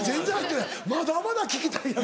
まだまだ聞きたいやろ？